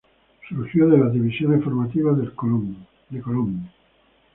Surgió de las divisiones formativas de Colón.